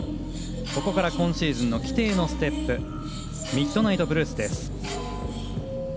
ここから今シーズンの規定のステップミッドナイトブルースです。